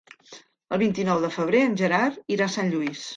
El vint-i-nou de febrer en Gerard irà a Sant Lluís.